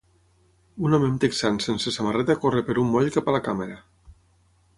Un home amb texans sense samarreta corre per un moll cap a la càmera.